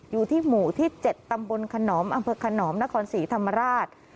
อยู่ที่หมู่ที่๗ตำบลขนอมอำเภอขนอมนครศรีธรรมราช